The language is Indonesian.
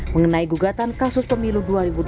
mengenai gugatan kasus pemilu dua ribu dua puluh